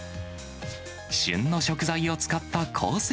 旬の食材を使ったコース